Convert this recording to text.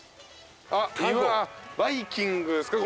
バイキングですか？